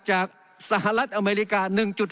จากสหรัฐอเมริกา